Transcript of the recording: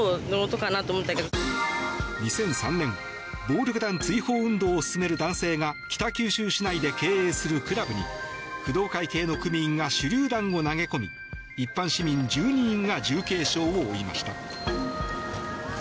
２００３年暴力団追放運動を進める男性が北九州市内で経営するクラブに工藤会系の組員が手りゅう弾を投げ込み一般市民１２人が重軽傷を負いました。